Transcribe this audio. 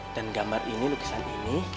dan gambar ini lukisan ini